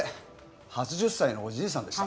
８０歳のおじいさんでした。